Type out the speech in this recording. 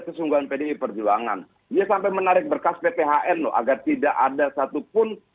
karena konstitusi juga mengatakan lima tahun